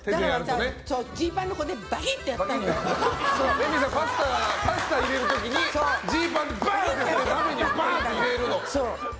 レミさん、パスタ入れる時にジーパンでバーンってやって鍋にバーンって入れるの。